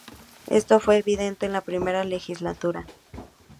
Esto fue evidente en la primera legislatura.